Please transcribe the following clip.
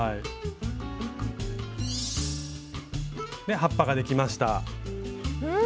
葉っぱができました。